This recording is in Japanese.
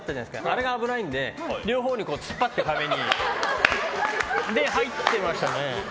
あれが危ないので両方に突っ張って壁にそれで入ってましたね。